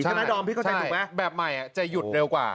ดอมพี่เข้าใจถูกไหมแบบใหม่จะหยุดเร็วกว่า